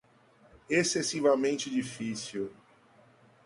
excessivamente difícil